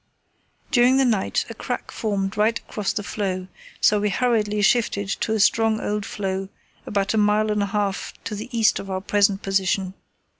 During the night a crack formed right across the floe, so we hurriedly shifted to a strong old floe about a mile and a half to the east of our present position.